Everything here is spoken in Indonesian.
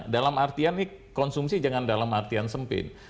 dalam artian ini konsumsi jangan dalam artian sempit